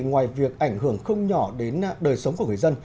ngoài việc ảnh hưởng không nhỏ đến đời sống của người dân